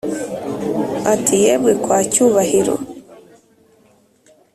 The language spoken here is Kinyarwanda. ati"yemwe kwa cyubahiro